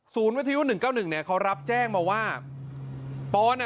วิทยุหนึ่งเก้าหนึ่งเนี่ยเขารับแจ้งมาว่าปอนอ่ะ